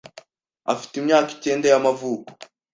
Afite imyaka ikenda yamavuko.